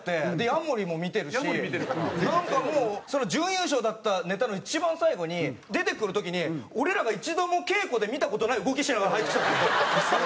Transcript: ヤモリも見てるしなんかもう準優勝だったネタの一番最後に出てくる時に俺らが一度も稽古で見た事ない動きしながら入ってきたんですよ。